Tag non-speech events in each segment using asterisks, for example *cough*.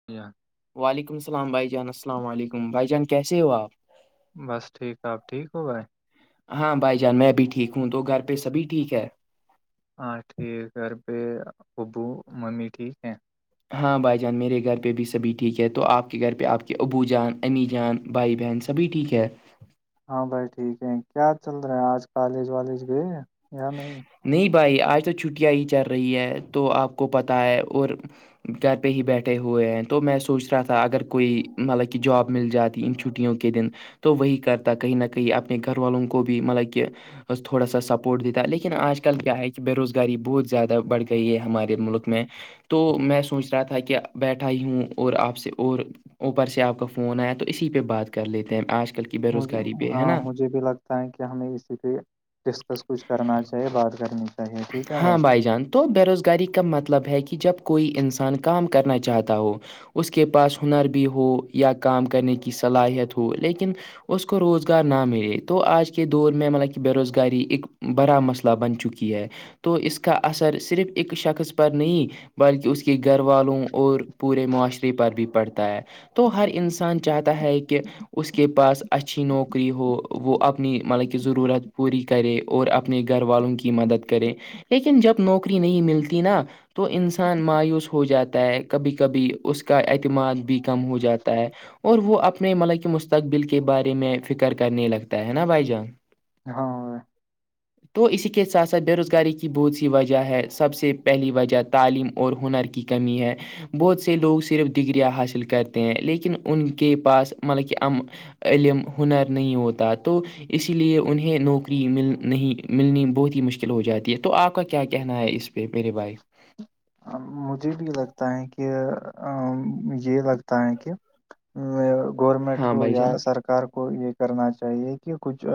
*inaudible* وعلیکم السلام بھائی جان السلام علیکم بھائی جان کیسے ہو آپ بس ٹھیک آپ ٹھیک ہو گئے ہاں بھائی جان میں بھی ٹھیک ہوں تو گھر پہ سبھی ٹھیک ہے ہاں ٹھیک ہے پہ ابو ممی ٹھیک ہیں ہاں بھائی جان میرے گھر پہ بھی سبھی ٹھیک ہے تو آپ کے گھر پہ آپ کے ابو جان امی جان بھائی بہن سبھی ٹھیک ہے ہاں بھائی ٹھیک ہے کیا چل رہا ہیں آج کالج والج گئے یا نہیں نہیں بھائی آج تو چھٹیاں ہی چل رہی ہے تو آپ کو پتا ہے اور گھر پہ ہی بیٹھے ہوئے ہیں تو میں سوچ رہا تھا اگر کوئی مطلب کہ جاب مل جاتی ان چھٹی وں کے دن تو وہی کرتا کہیں نہ کہیں اپنے گھر والوں کو بھی مطلب کہ اس تھوڑا سا سپورٹ د دیتا الے لیکن آج کل کیا ہے کہ بےروزگاری بہت زیادہ بڑھ گئی ہے ہمارے ملک میں تو میں سوچ رہا تھا کہ بیٹھا ہی ہوں اور آپ سے اور اوپر سے آپ کا فون آیا تو اسی پہ بات کر لیتے ہیں آج کل کی بے مجھے روزگاری پہ ہے ہاں نا مجھے بھی لگتا تاکہ ہمیں اسی پہ ڈسکس کچھ کرنا چاہے بات کرنی چاہیے ٹھیک ہے ہاں بھائی بائی جان تو بےروزگاری کا مطلب ہے کہ جب کوئی انسان کام کرنا چاہتا ہو *inaudible* اس کو روزگار نہ ملے تو آج کے دور میں مطلب کہ بے روزگاری ایک بڑا مسئلہ بن چکی ہے تو اس کا اثر صرف ایک شخص پر نہیں بلکہ اس کے گھر والوں اور پورے معاشرے پر بھی پڑتا ہے تو ہر انسان چاہتا ہے کہ اس کے پاس اچھی نوکری ہو وہ اپنی مطلب کہ ضرورت پوری کرے اور اپنے گھر والوں کی مدد کرے لیکن جب نوکری نہیں ملتی نا تو انسان مایوس ہو جاتا ہے کبھی کبھی اس کا اعتماد بھی کم ہو جاتا ہے اور وہ اپنے مطلب کہ مستقبل کے بارے میں فکر کرنے لگتا ہے نا بھائی جان ہاں بھائی، تو اسی کے سھ سات اثر بےروزگاری کی بہت سی وجہ ہے سب سے پہلی وجہ تعلیم اور ہنر کی کمی ہے بہت سے لوگ صرف ڈگریاں حاصل کرتے ہیں لیکن ان کے پاس مطلب کہ ہم علم ہنر نہیں ہوتا تو اسی لیے انہیں نوکری مل نہیں ملنی بہت ہی مشکل کلو ہو جاتی ہے تو آپ کا کیا کہنا ہے اس پہ میرے بھائی ا مجھے بھی لگتا ہے کہ یہ لگتا ہے کہ گورمنٹ ہاں کو بھائی یا جان سرک سار کو یہ کرنا چاہیے کہ کچھ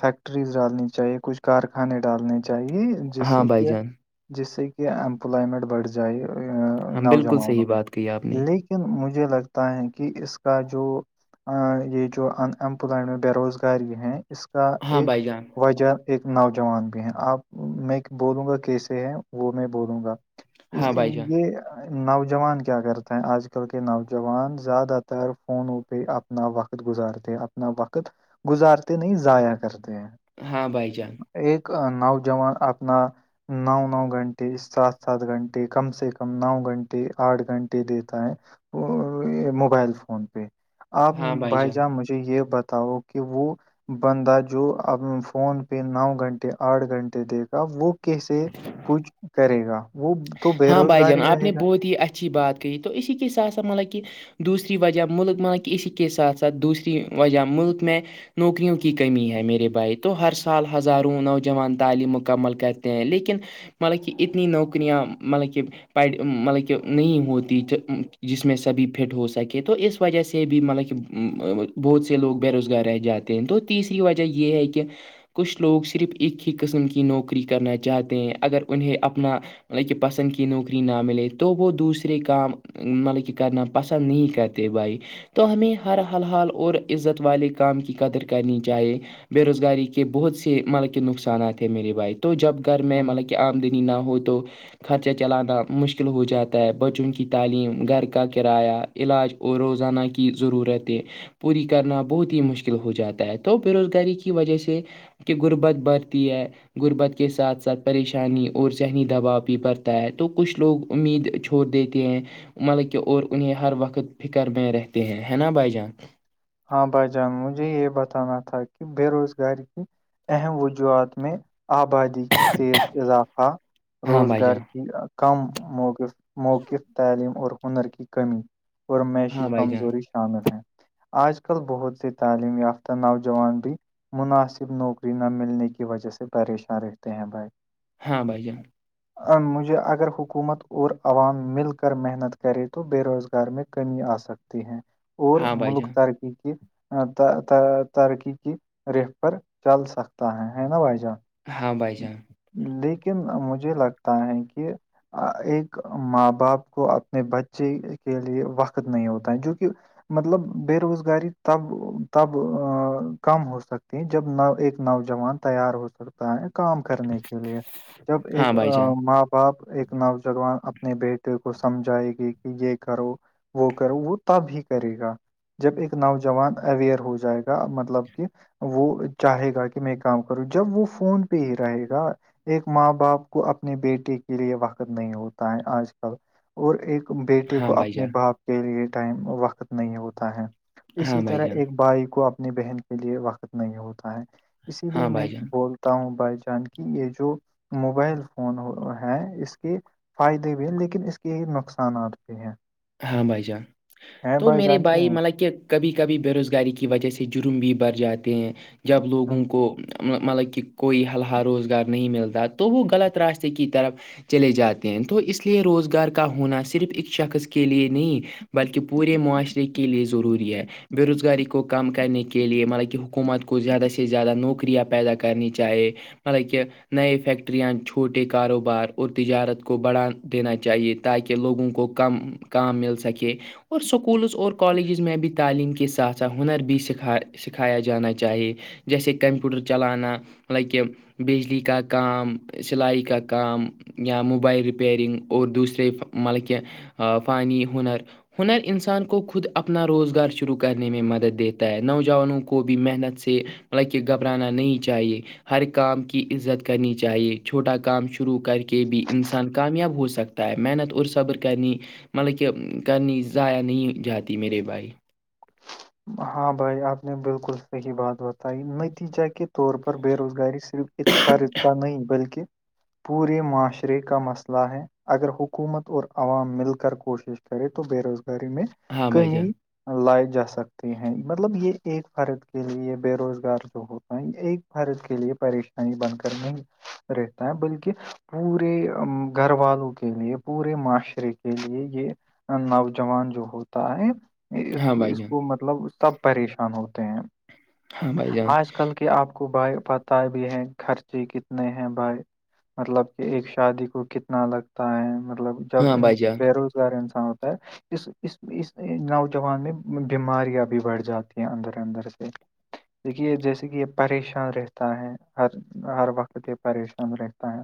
فیکٹریز ڈالنی چاہیے کچھ کار کھانے ڈالنے چاہیے ہاں جیسے بھائی کہ جان جس سے کہ امپلائمنٹ بڑھ جائے ہاں بالکل نوجوانوں صحیح میں بات کہی آپ نے لیکن لن مجھے لگتا ہے کہ اس کا جو یہ جو ان امپلائمنٹ بےروزگاری ہیں اس کا ہاں ایک بھائی جان وجہ ایک نوجوان بھی ہیں آپ میں بولوں گا کیسے ہیں وہ میں بولوں گا اس ہاں بھائی جان یہ نوجوان کیا کرتے ہیں آج کل کے نوجوان زیادہ تر فونوں پہ اپ اپنا وقت گزارتے ہیں اپنا وقت گزارتے نہیں ضائع کرتے ہیں ہاں بھائی جان ایک نوجان اپنا نو نو گھنٹے سات سات گھنٹے کم سے کم نو گھنٹے آٹھ گھنٹے دیتا ہے موبائل فون پہ آپ بھائی جان مجھے یہ بتاؤ کہ وہ بندہ جو اب فون پہ نو گھنٹے آٹھ گھنٹے دے گا وہ کیسے کچھ کرے گا وہ تو بے ہاں بھائی روزگار جان ہی آپ رہے نے بہت ہی اچھی بات کہی تو اسی کے ساتھ سات مطلب کہ دوسری وجہ ملک مان کہ ا کے ساتھ ساتھ دوسری وجہ ملک میں نوکریوں کی کمی ہے میرے بھائی تو ہر سال ہزاروں نوجوان تعلیم مکمل کرتے ہیں لیکن مطلب کہ اتنی نوکریاں مطلب کہ مطلب کہ نہیں ہوتی جس میں سبھی فٹ ہو سکے تو اس وجہ سے بھی مطلب کہ بہت سے لوگ بے روزگار رہ جاتے ہیں تو تیسری وجہ یہ ہے کہ کچھ لوگ صرف ایک ہی قسم کی نوکری کرنا چاہتے ہیں اگر انہیں اپنا کہ پسند کی نوکری نہ ملے تو وہ دوسرے کام مطلب کہ کرنا پسند نہیں کرتے بائی تو ہمیں ہر حال حال اور عزت والے کام کی قدر کرنی چاہیے بے روزگاری کے بہت سے مطلب کے نقصانات ہیں میری بات تو جب گھر میں گا مطلب کہ آمدنی نہ ہو تو خرچہ چلانا مشکل ہو جاتا ہے بچوں کی تعلیم گھر کا کرایہ علاج اور روزانہ کی ضرورت ہے پوری کرنا بہت ہی مشکل ہو جاتا ہے تو بے روزگاری کی وجہ سے کہ غربت بڑھتی ہے غربت کے ساتھ ساتھ پریشانی اور ذہنی دباؤ بڑتا ہے تو کچھ لوگ امید چھوڑ دیتے ہیں مطلب کہ اور انہیں ہر وقت فکر میں رہتے ہیں ہے نا بھائی جان ہاں بھائی جان مجھے یہ بتانا تھا کہ بے روزگاری کی اہم وجوہات میں آبادی کی تیز اضافہ ہاں بھائی روزگار جان کی کم موقف موقف تعلیم اور ہنر کی کمی اورمییشی ہاں بھائی جان کمزوری شامل ہیں آج کل بہت سے تعلیم یافتہ نوجوان بھی مناسب نوکری نہ ملنے کی وجہ سے پریشان رہتے ہیں بھائی ہاں بائی جان مجھ اگر حکومت اور عوام مل کر محنت کرے تو بے روزگار میں کمی آ سک ہیں اور ہاں بھائی ملک ترقی کے ترقی کی رخ پر چل سکتا ہے ہے نا بھائی جان ہاں بھائی جان لیکن مجھے لگتا ہے کہ ایک ماں باپ کو اپنے بچے کے لیے وقت نہیں ہوتا ہے جوک مطلب بے روزگاری تب تب کم ہو سکتی ہیں جب ایک نوجوان تیار ہو سکتا ہے کام کرنے کے لیے جب ہاں ایک بھائی جان ماں باپ ایک نوجوان اپنے بیٹے کو سمجھائے گی کہ یہ کرو وہ کرو وہ تب ہی کرے گا جب ایک نوجوان اویئر ہو جائے گا مطلب کہ وہ چاہے گا کہ میں کام کروں جب وہ فون پہ ہی رہے گا ایک ماں باپ کو اپنے بیٹے کے لیے وقت نہیں ہوتا ہے آج کل اور ایک بیٹے ہاں کو بھائی اپنے جان باپ کے لیے ٹائم وقت نہیں ہوتا ہے ہاں اسی بھائی جان ہاں بھائی طرح جان ایک بھائی کو اپنی بہن کے لیئے وقت نہیں ہوتا ہے اسی لیے ہاں میں بھائی جان بولتا ہوں بائی جانک یہ جو موبائل فون ہے اس کے فائدے بھی ہیں لیکن اس کے نقصانات بھی ہیں ہاں بھائی جان ہیں تو میرے جان کے بھائی نہیں ملب کہ کبھی کبھی بےروزگاری کی وجہ سے جرم بھی بڑھ جاتے ہیں جب لوگوں کو مطلب کہ کوئی حلحہ روزگار نہیں ملتا تو وہ غلط راستے کی طرف چلے جاتے ہیں تو اس لیے روزگار کا ہونا صرف ایک شخص کے لیے نہیں بلکہ پورے معاشرے کے لیئے ضروری ہے بے روزگاری کو کم کرنے کے لیے مطلب کہ حکومت کو زیادہ سے زیادہ نوکریاں پیدا کرنی چاہے مطلب کہ نئے فیکٹریاں چھوٹے کاروبار اور تجارت کو بڑھا دینا چاہیے تاکہ لوگوں کو کم کام مل سکے اور اسکولز اور کالجز میں بھی تعلیم کے ساتھ ساتھ ہنر بھی سکھا سکھایا جانا چاہیے جیسے کمپوٹر چلانا لائک کہ بجلی کا کام سلائی کا کام موبائل رپیرنگ اور دوسرے مطلب کہ فانی ہنر ہنر انسان کو خود اپنا روزگار شروع کرنے میں مدد دیتا ہے نوجوانوں کو بھی محنت سے حالانکہ گھبرانا نہیں چاہیے ہر کام کی عزت کرنی چاہیے چھوٹا کام شروع کر کے بھی انسان کامیاب ہو سکتا ہے محنت اور صبر کرنی مطلب کہ کرنی ضائع نہیں جاتی میرے بھائی ہاں بھائی آپ نے بالکل صحیح بات بتائی نتیجہ کے طور پر بے روزگاری سے صرف ایک فرض کا نہیں بلکہ پورے معاشرے کا مسئلہ ہے اگر حکومت اور عوام مل کر کوشش کرے تو بے روزگاری میں ہاں بھائی کمی جان لائے جا سکتا ہیں مطلب یہ ایک فرد کے لیے یہ بے روزگار جو ہوتا ہے ایک فرد کے لیے پریشان بن کر نہیں رہتا ہے بلکہ پورے گھر والوں کے لیے پورے معاشرے کے لیے یہ نوجوان جو ہوتا ہے اس ہاں کو بھائی اس جان کو مطلب سب پریشان ہوتے ہیں ہاں بھائی جان آج کل کے آپ کو بائے پ پت بھی ہے خرچے کتنے ہیں بھائی مطلب کہ ایک شادی کو کتنا لگتا ہے مطلب جب ہاں بھائی جان بے روزگار انسان ہوتا ہے اس اس اس نوجوان میں بیماریاں بھی بڑھ جاتی ہیں اندر اندر سے دیکھیے جیسے کہ یہ پریشان رہتا ہے ہر ہر وقت یہ پریشان رہتا ہے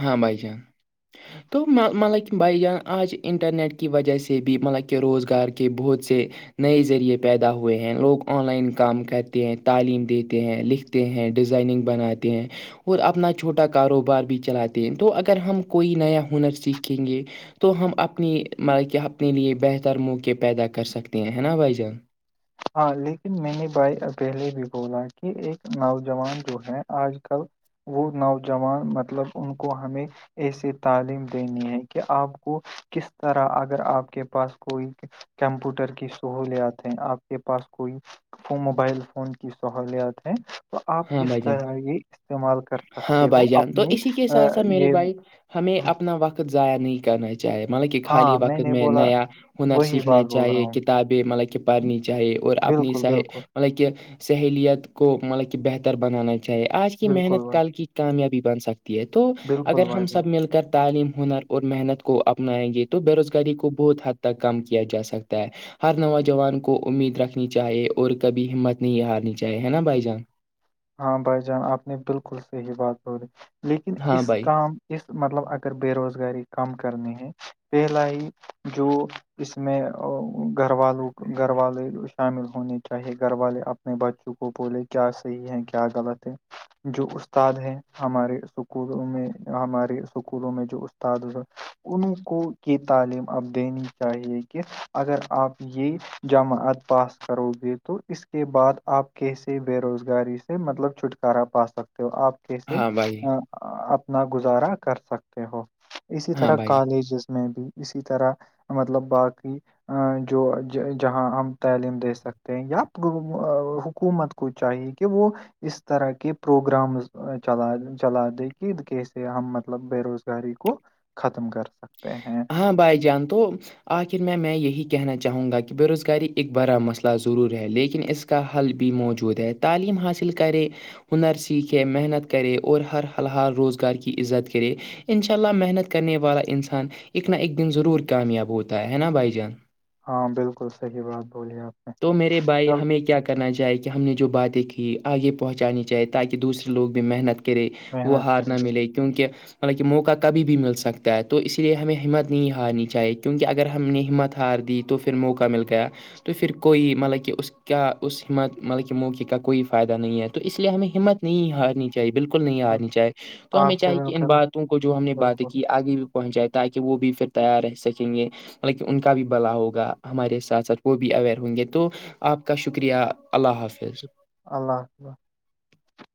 ہاں بھائی چان *unintelligible* تو مطلب کہ بائی جان آج انٹرنیٹ کی وجہ سے بھی مطلب کہ روزگار کے بہت سے نئے ذریعے پیدا ہوئے ہیں لوگ آن لائن کام کرتے ہیں تعلیم دیتے ہیں لکھ ہیں ڈیزائننگ بناتے ہیں اور اپنا چھوٹا کاروبار بھی چلاتے ہیں تو اگر ہم کوئی نیا ہنر سیکھیں گے تو ہم اپنی مطلب کہ اپنے لیے بہتر موقع پیدا کر سکتے ہیں ہے نا بھائی جان ہاں لیکن میں نے بھائی پہلے بھی بولا کہ ایک نوجوان جو ہے آج کل وہ نوجوان مطلب ان کو ہمیں ایسی تعلیم دینی ہے کہ آپ کو کس طرح اگر آپ کے پاس کوئی کمپیوٹر کی سہولیات ہیں آپ کے پاس کوئی موبائل فون کی سہولیات ہے تو آپ ہاں کس بھائی جان طرح یہ استعمال کر ہاں سکتے ہو بھائی جان تو اپنی اسی کے ساتھ ساتھ میرے یہ بھائی ہمیں اپنا وقت ضائع نہیں کرنا چاہیے مطلب کہ خالی ہاں وقت نے میں بولا نیا ہنر وہی سیکھنا بات بول رہا چاہیے ہوں کتابیں مطلب کہ پڑھنی چاہیے اور اپنیح بالکل بالکل مطلب کہ سہیلیت کو مطلب کہ بہتر بنانا چاہیے آج کی بالکل محنت بھائی کل کی کامیابی بن سکتی ہے تو بالکل اگر بھائی ہم بالکل سب مل کر تعلیم ہنر اور محنت کو اپنائیں گے تو بےروزگاری کو بہت حد تک کم کیا جا سکتا ہے ہر نوجوان کو امید رکھنی چاہیے اور کبھی ہمت نہیں ہارنی چاہے ہے نا بھائی جان ہاں بھائی جان آپ نے بالکل صحی بات کر دی لیکن ہاں اس بھائی کام اس مطلب اگر بے روزگاری کم کرنی ہے پہلائی جو اس میں گھر والوں گھر والے شامل ہونے چاہی گھر والے اپنے بچوں کو بولے کیا صحیح ہے کیا غلط ہے جو استاد ہے ہمارے اسکولوں میں ہمارے اسکولوں میں جو استاد انوں کو یہ تعلیم اب دینی چاہیے کہ اگر آپ یہ جماعت پاس کرو گے تو اس کے بعد آپ کیسے بے روزگاری مطلب چھٹکارا پا سکتے ہو آپ کیسے ہاں بھائی اپنا گزارا کر سکتے ہو اسی ہاں طرح بھائی کالجز میں بھی اسی طرح مطلب باقی جو جہاں ہم تعلیم دے سکتے ہیں یا حکومت کو چاہیے کہ وہ اس طرح کے پروگرامز چلا چلا دے گ کیسے ہم مطلب بے روز گاری کو ختم کر سکتا ہاں بھائی جان تو آخر میں میں یہی کہنا چاہوں گا کہ بے روزگاری ایک بڑا مسئلہ ضرور ہے لیکن اس کا حل بھی موجود ہے تعلیم حاصل کرے ہنر سیکھے محنت کرے اور ہر حال حال روزگار کی عزت کرے ان شاء اللہ محنت کرنے والا انسان ایک نہ ایک دن ضرور کامیاب ہوتا ہے نا بھائی جان ہاں بالکل صحیح بات بولیے آپ نے تو میرے بھائی چل ہمیں کیا کر کرنا چاہے کہ ہم نے جو باتیں کی آگے پہنچانی چاہے تاکہ دوسرے لوگ بھی محنت کر کرے وہ محنت کرے ہارن ملے کیونکہ مطلب کہ موقع کبھی بھی مل سکتا ہے تو اسی لیے ہمیں ہمت نہیں ہارنی چاہیے کیونکہ اگر ہم نے ہمت ہار دی تو پھر موقع مل گیا تو پھر کوئی مطلب کہ اس کے کیا اس ہمت مطلب کہ موقع کا کوئی فائدہ نہیں ہے تو اس لیے ہمیں ہمت نہیں ہارنی تھی چاہ بالکل نہیں ہارنی چاہے تو ہمیں آپ سے چاہے مل کہ ان کر باتوں کو جو ہم نے باتیں بالکل کی آگے پہنچ جائے تاکہ وہ بھی پھر تیار رہ سکیں گے مطلب کہ ان کا بھی بلا ہوگا ہمارے ساتھ ساتھ وہ بھی اوئر ہوں گے تو آپ کا شکریہ اللہ حافظ اللہ حفلہ